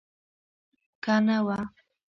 که نه وه.